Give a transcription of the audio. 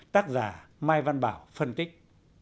tác giả mai văn bảo phân tích